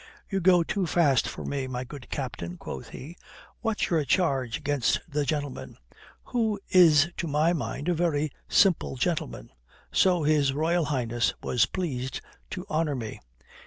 "'You go too fast for me, my good captain,' quoth he. 'What's your charge against the gentleman? who is to my mind a very simple gentleman.' So His Royal Highness was pleased to honour me."